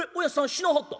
死なはった？